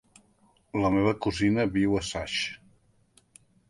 La meva cosina viu a Saix.